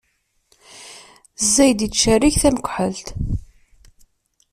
Zzayed ittcerrig tamekḥelt.